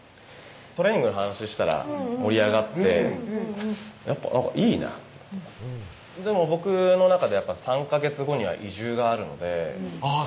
トレーニングの話したら盛り上がってやっぱいいなでも僕の中で３ヵ月後には移住があるのであぁ